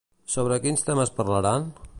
Sobre quins temes parlaran?